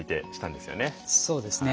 そうですね。